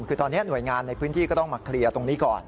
คือตอนนี้หน่วยงานในพื้นที่ก็ต้องมาเคลียร์ตรงนี้ก่อน